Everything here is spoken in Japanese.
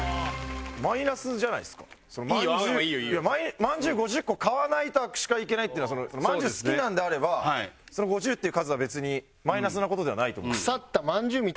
まんじゅう５０個買わないと握手会行けないっていうのはまんじゅう好きなんであればその５０っていう数は別にマイナスな事ではないと思う。